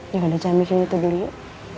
ya udah jangan mikirin itu dulu yuk